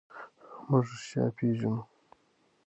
موږ رښتیا پېژنو.